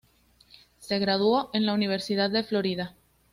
Se graduó en la Universidad de Florida.